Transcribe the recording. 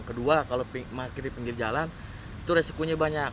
kedua kalau parkir di pinggir jalan itu resikonya banyak